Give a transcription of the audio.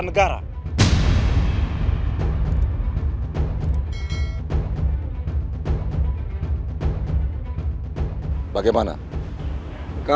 gusti prabu jakatwanglah yang berhak